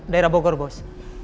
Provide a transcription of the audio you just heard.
daerah bogor bos